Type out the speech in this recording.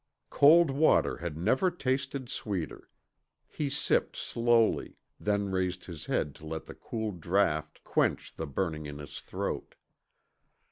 Cold water had never tasted sweeter. He sipped slowly, then raised his head to let the cool draft quench the burning in his throat.